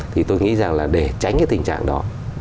thì tôi nghĩ rằng là để tránh cái tình trạng đó